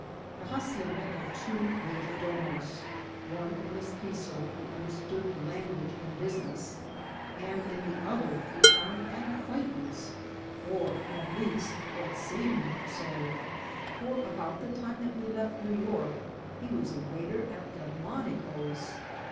The hacienda had two major domos, one a Mestitzo, who understood the language and business, and in the other we found an acquaintance, or, at least, what seem 36 412 INCIDENTS OF TRAVEL. ed so, for about the time that we left New York he was a waiter at Delmonico's.